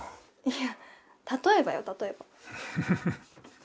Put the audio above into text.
いや例えばよ例えば。